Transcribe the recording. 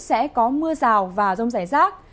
sẽ có mưa rào và rông rải rác